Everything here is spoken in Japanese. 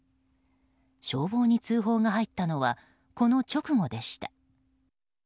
消防に通報が入ったのはこの直後でした。